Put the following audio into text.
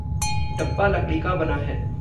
डब्बा लकड़ी का बना है।